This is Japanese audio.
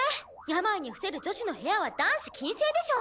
病に伏せる女子の部屋は男子禁制でしょ。